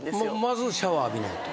まずシャワー浴びないと？